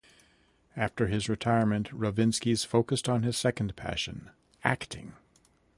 After his retirement Ruvinskis focused on his second passion, acting.